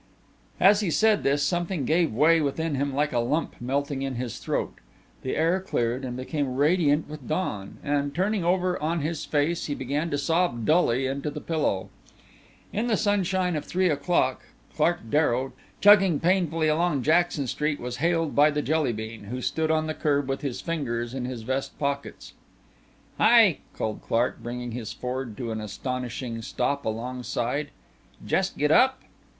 As he said this something gave way within him like a lump melting in his throat. The air cleared and became radiant with dawn, and turning over on his face he began to sob dully into the pillow. In the sunshine of three o'clock Clark Darrow chugging painfully along Jackson Street was hailed by the Jelly bean, who stood on the curb with his fingers in his vest pockets. "Hi!" called Clark, bringing his Ford to an astonishing stop alongside. "Just get up?"